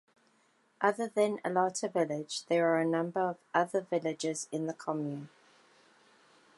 Other than Alata village there are a number of other villages in the commune.